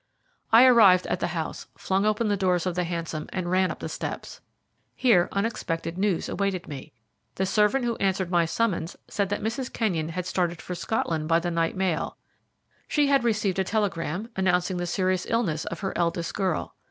I arrived at the house, flung open the doors of the hansom, and ran up the steps. Here unexpected news awaited me. The servant who answered my summons said that Mrs. Kenyon had started for Scotland by the night mail she had received a telegram announcing the serious illness of her eldest girl.